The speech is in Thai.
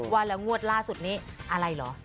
ว่าแล้วงวดล่าสุดนี้อะไรเหรอ